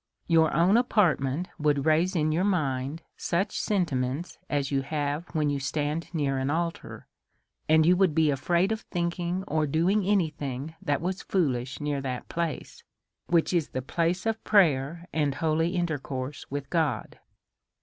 Your own apartment would raise in your mind such senti ments as you have when you stand near an altar ; and you would be afraid of thinking or doing any thing that was foolish near that place, which is the place of prayer, and holy intercourse with God.